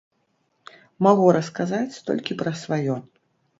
Магу расказаць толькі пра сваё.